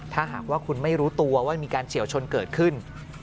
ถ้าหากว่าคุณไม่รู้ตัวว่ามีการเฉียวชนเกิดขึ้น